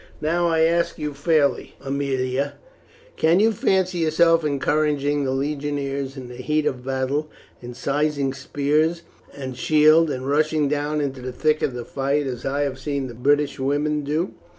"Now I ask you fairly, Aemilia, can you fancy yourself encouraging the legionaries in the heat of battle, and seizing spear and shield and rushing down into the thick of the fight as I have seen the British women do?"